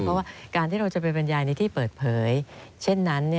เพราะว่าการที่เราจะไปบรรยายในที่เปิดเผยเช่นนั้น